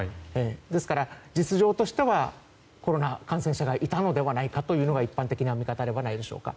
ですから実情としてはコロナ感染者がいたのではないかというのが一般的な見方ではないでしょうか。